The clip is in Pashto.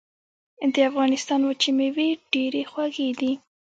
د افغانستان وچې مېوې ډېرې خوږې دي.